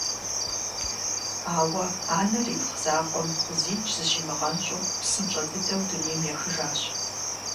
Ауэ анэр ипхъу закъуэм зикӀ зыщимыгъэнщӀу псынщӀэ дыдэу дунейм ехыжащ.